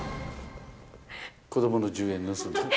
子どもの１０円盗んだ。